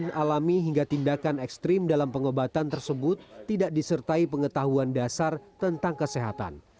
yang alami hingga tindakan ekstrim dalam pengobatan tersebut tidak disertai pengetahuan dasar tentang kesehatan